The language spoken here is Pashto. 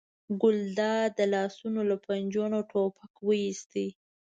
ګلداد د لاسونو له پنجو نه ټک وویست.